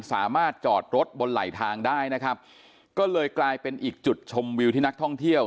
สามารถจอดรถบนไหลทางได้นะครับก็เลยกลายเป็นอีกจุดชมวิวที่นักท่องเที่ยว